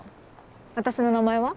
私の名前は？